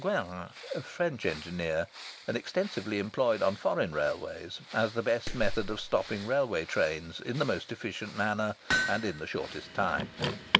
Guérin, a French engineer, and extensively employed on foreign railways, as the best method of stopping railway trains in the most efficient manner and in the shortest time.